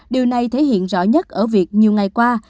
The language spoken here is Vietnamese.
điều này thể hiện rõ nhất ở việc nhiều ngày qua